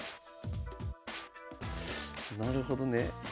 なるほどね。